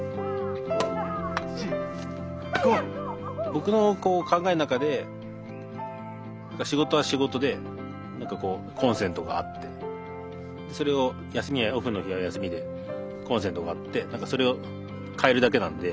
僕の考えの中で仕事は仕事で何かこうコンセントがあってそれを休みやオフの日は休みでコンセントがあってそれを替えるだけなんで。